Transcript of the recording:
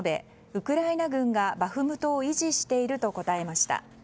ウクライナ軍がバフムトを維持していると答えました。